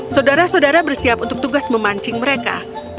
saudara saudara bersiap untuk tugas memancing mereka